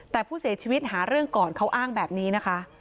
แต่ผู้เสียชีวิตหาเรื่องก่อนเขาอ้างแบบนี้นะคะ